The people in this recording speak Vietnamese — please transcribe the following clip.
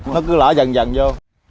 nó cứ lỡ dần dần vô